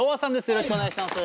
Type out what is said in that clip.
よろしくお願いします。